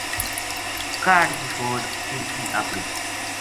کاہڈ کی فوج چرکی اَپڑی